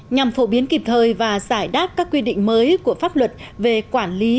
nhằm phổ biến kịp thời và giải đáp các quy định mới của pháp luật về quản lý